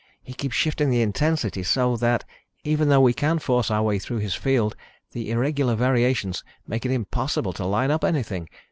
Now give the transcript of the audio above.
He keeps shifting the intensity so that, even though we can force our way through his field, the irregular variations make it impossible to line up anything.